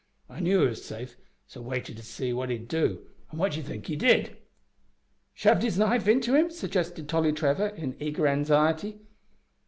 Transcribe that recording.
I knew he was safe, so waited to see what he'd do, an' what d'ye think he did?" "Shoved his knife into him," suggested Tolly Trevor, in eager anxiety.